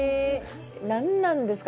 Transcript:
何なんですか？